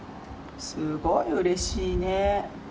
すごくうれしいね！